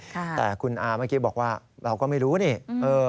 แต่คุณอาเมื่อกี้บอกว่าเราก็ไม่รู้นี่